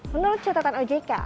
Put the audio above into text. menurut catatan ojk